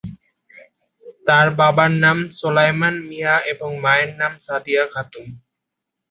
তার বাবার নাম সোলায়মান মিয়া এবং মায়ের নাম সাদিয়া খাতুন।